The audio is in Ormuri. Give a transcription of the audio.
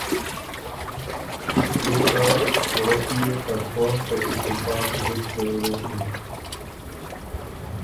کيې که کُورۀ کی يې ته قوم ته اتفاق ته زُت ضرورت بُک